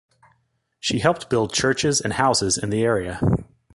She helped build churches and houses in the area.